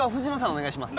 お願いします